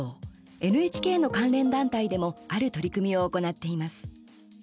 ＮＨＫの関連団体でもある取り組みを行っています。